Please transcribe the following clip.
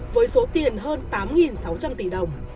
với số tiền hơn tám sáu trăm linh tỷ đồng